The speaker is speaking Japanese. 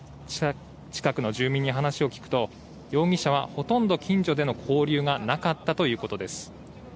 近くの住民に話を聞くと容疑者はほとんど近所での交流がなかったということです。